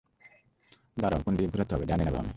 দাঁড়াও, কোনদিকে ঘোরাতে হবে, ডানে না বামে?